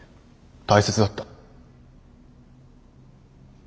大切だった。